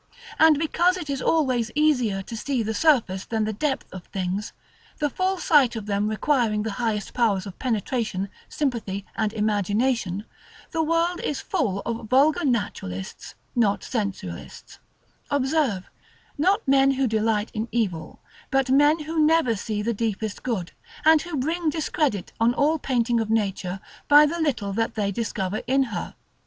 And because it is always easier to see the surface than the depth of things, the full sight of them requiring the highest powers of penetration, sympathy, and imagination, the world is full of vulgar Naturalists: not Sensualists, observe, not men who delight in evil; but men who never see the deepest good, and who bring discredit on all painting of Nature by the little that they discover in her.